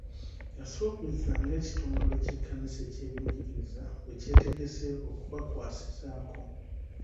Yasuubizza ng'ekitongole ky'ekkanisa eky'ebyenjigiriza bwe kyetegese okubakwasizaako.